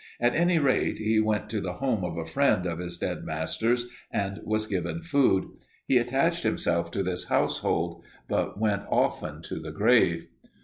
At any rate, he went to the home of a friend of his dead master's and was given food. He attached himself to this household but went often to the grave.